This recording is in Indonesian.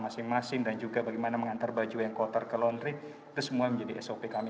masing masing dan juga bagaimana mengantar baju yang kotor ke laundry itu semua menjadi sop kami